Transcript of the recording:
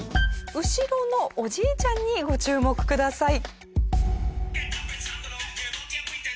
後ろのおじいちゃんにご注目ください。